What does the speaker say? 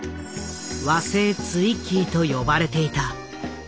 和製ツイッギーと呼ばれていた。